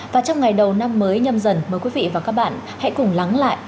và trong ngày đầu năm mới nhâm dần mời quý vị và các bạn hãy cùng lắng lại